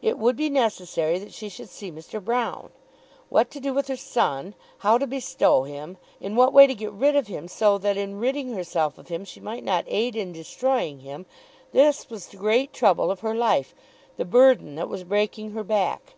It would be necessary that she should see Mr. Broune. What to do with her son, how to bestow him, in what way to get rid of him so that in ridding herself of him she might not aid in destroying him, this was the great trouble of her life, the burden that was breaking her back.